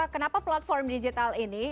kenapa platform digital ini